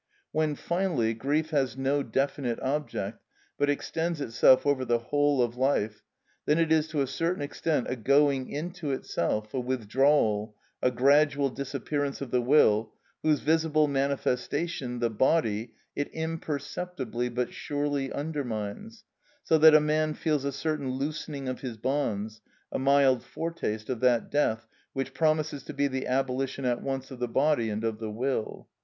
When, finally, grief has no definite object, but extends itself over the whole of life, then it is to a certain extent a going into itself, a withdrawal, a gradual disappearance of the will, whose visible manifestation, the body, it imperceptibly but surely undermines, so that a man feels a certain loosening of his bonds, a mild foretaste of that death which promises to be the abolition at once of the body and of the will.